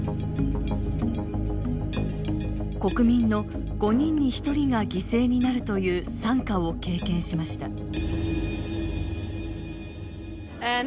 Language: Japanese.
国民の５人に１人が犠牲になるという惨禍を経験しました。